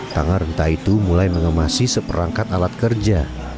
tangan renta itu mulai mengemasi seperangkat alat kerja